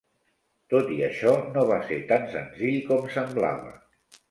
Tot i això, no va ser tan senzill com semblava.